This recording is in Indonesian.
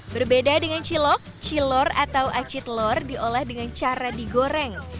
berbeda dengan cilok cilor atau aci telur diolah dengan cara digoreng